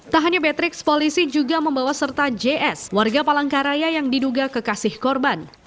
tak hanya patrick polisi juga membawa serta js warga palangkaraya yang diduga kekasih korban